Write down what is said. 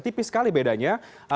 tipis sekali bedanya